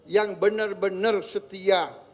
yang benar benar setia